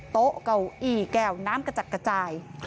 โต๊ะเก่าอี้แก้วน้ำกระจัดกระจาย